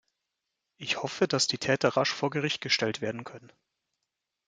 Ich hoffe, dass die Täter rasch vor Gericht gestellt werden können.